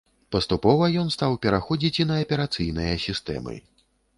Паступова ён стаў пераходзіць і на аперацыйныя сістэмы.